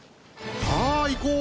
さあ行こう。